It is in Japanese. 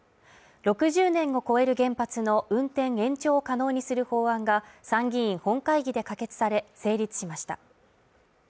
６０年を超える原発の運転延長を可能にする法案が参議院本会議で可決され、成立しました。